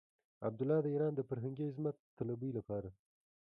عبدالله د ايران د فرهنګي عظمت طلبۍ لپاره.